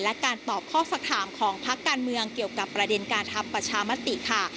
และการตอบข้อสักถามของพักการเมืองเกี่ยวกับประเด็นการทำประชามติค่ะ